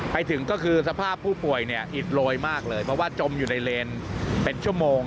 ไปถึงก็คือสภาพผู้ป่วยเนี่ยอิดโรยมากเลยเพราะว่าจมอยู่ในเลนเป็นชั่วโมง